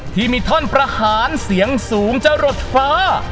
ที่มีท่อนประหารเสียงสูงจะหลดฟ้า